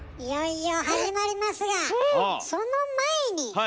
いよいよ始まりますがその前に！